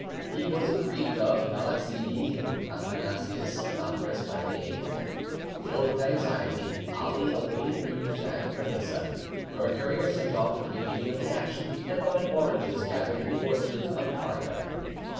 He was a Greek of Galaxidi, Athanasius Macrys by name. Filled with anxiety, Ali awaited news at Prevesa, where a courier, sent off at the beginning of the action, had brought him oranges gathered in the orchards of Parga.